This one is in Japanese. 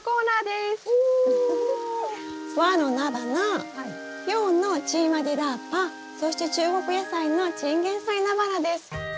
和のナバナ洋のチーマ・ディ・ラーパそして中国野菜のチンゲンサイナバナです。